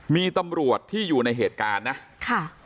มีตำรวจที่อยู่ในเหตุการณ์นะค่ะ